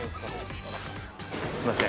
すみません